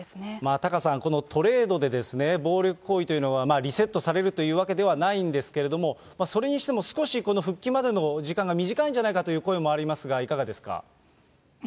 タカさん、このトレードでですね、暴力行為というのはリセットされるというわけではないんですけれども、それにしても少し復帰までの時間が短いんじゃないかという声もありますが、いかがですか？